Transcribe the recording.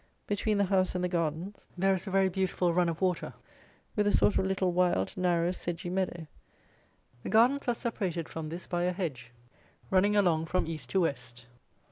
Between the house and the gardens there is a very beautiful run of water, with a sort of little wild narrow sedgy meadow. The gardens are separated from this by a hedge, running along from east to west.